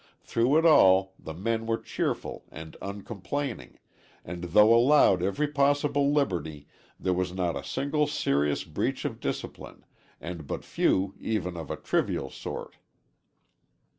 Through it all the men were cheerful and uncomplaining, and though allowed every possible liberty, there was not a single serious breach of discipline, and but few even of a trivial sort.